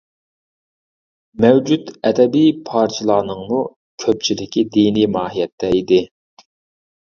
مەۋجۇت ئەدەبىي پارچىلارنىڭمۇ كۆپچىلىكى دىنىي ماھىيەتتە ئىدى.